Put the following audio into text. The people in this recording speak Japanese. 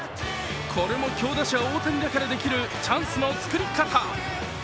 これも強打者・大谷だからできるチャンスの作り方。